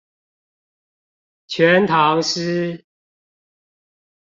全唐詩